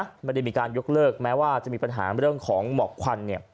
ไม่ได้มีการยกเลิกแม้ว่าจะมีปัญหาเรื่องของหมอกควันเนี่ย